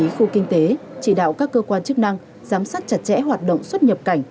khu kinh tế chỉ đạo các cơ quan chức năng giám sát chặt chẽ hoạt động xuất nhập cảnh